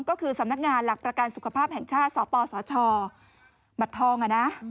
ก็คือสำนักงานหลักประกันสุขภาพแห่งชาติสปสชบัตรทอง